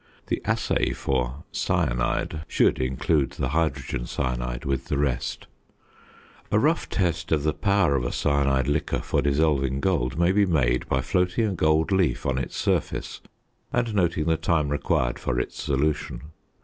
The assay for "cyanide" should include the hydrogen cyanide with the rest. A rough test of the power of a cyanide liquor for dissolving gold may be made by floating a gold leaf on its surface and noting the time required for its solution.